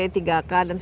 ini kan tadi kan tujuh t